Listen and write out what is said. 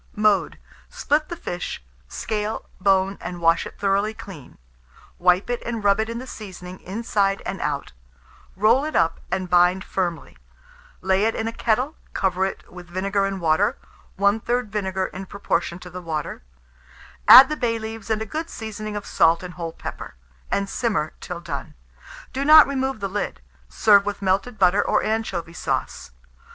Mode. Split the fish; scale, bone, and wash it thoroughly clean; wipe it, and rub in the seasoning inside and out; roll it up, and bind firmly; lay it in a kettle, cover it with vinegar and water (1/3 vinegar, in proportion to the water); add the bay leaves and a good seasoning of salt and whole pepper, and simmer till done. Do not remove the lid. Serve with melted butter or anchovy sauce.